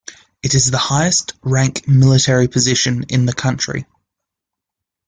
It is the highest rank military position in the country.